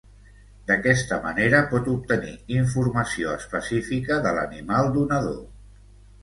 D'aquesta manera pot obtenir informació específica de l'animal donador.